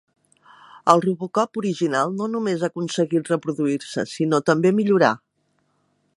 El RoboCop original no només ha aconseguit reproduir-se, sinó també millorar.